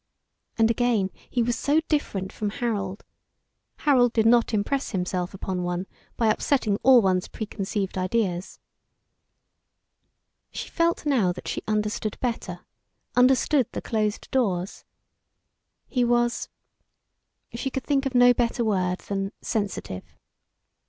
And again he was so different from Harold; Harold did not impress himself upon one by upsetting all one's preconceived ideas. She felt now that she understood better understood the closed doors. He was she could think of no better word than sensitive.